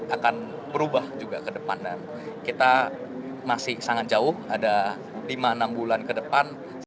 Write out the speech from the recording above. akan berubah juga ke depan dan kita masih sangat jauh ada lima enam bulan ke depan